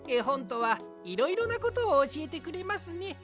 ほんとはいろいろなことをおしえてくれますね。